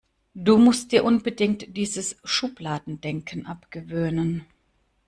Du musst dir unbedingt dieses Schubladendenken abgewöhnen.